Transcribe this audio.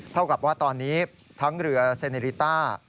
เท่ากับว่าตอนนี้ทั้งเรือเซเนริต้า